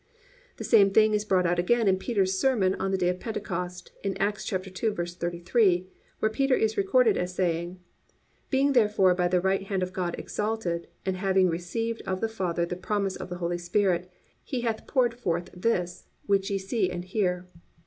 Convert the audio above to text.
_ 8. The same thing is brought out again in Peter's sermon on the day of Pentecost in Acts 2:33, where Peter is recorded as saying: +"Being therefore by the right hand of God exalted, and having received of the Father the promise of the Holy Spirit, He hath poured forth this, which ye see and hear."